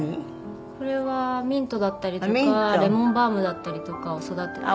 これはミントだったりとかレモンバームだったりとかを育てていて。